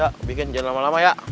ya bikin jangan lama lama ya